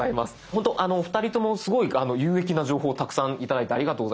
ほんとお二人ともすごい有益な情報をたくさん頂いてありがとうございます。